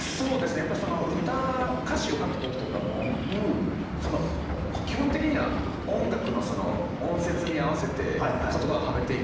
やっぱり歌詞を書く時とかも基本的には音楽の音節に合わせて言葉をはめていくんですけど。